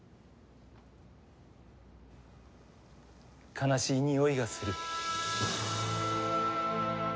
悲しいにおいがする。